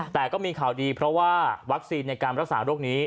แต่ก็มีข่าวดีเพราะว่าวัคซีนในการรักษาโรคนี้